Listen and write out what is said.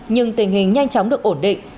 nhưng tình hình nhanh chóng được ổn định